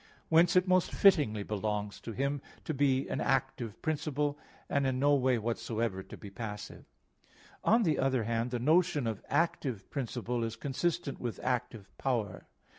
Whence it most fittingly belongs to Him to be an active principle, and in no way whatsoever to be passive. On the other hand, the notion of active principle is consistent with active power.